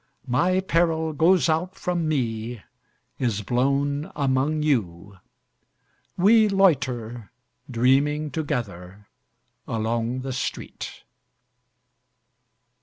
. My peril goes out from me, is blown among you. We loiter, dreaming together, along the street.